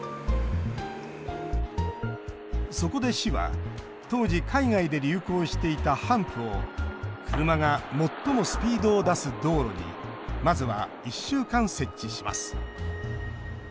そこで、市は当時海外で流行していたハンプを車が最もスピードを出す道路にまずは１週間、設置します。